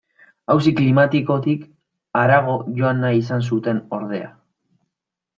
Auzi klimatikotik harago joan nahi izan zuten, ordea.